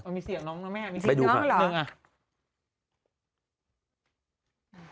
มีเสียของน้องนะแม่มีเสียของน้องหรือ